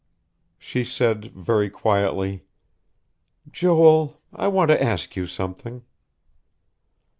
She said very quietly: "Joel, I want to ask you something."